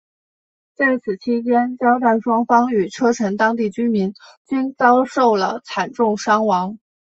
在此期间交战双方与车臣当地居民均遭受了惨重伤亡。